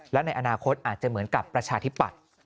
และในอนาคตอาจจะเหมือนกับประชาธิปัตย์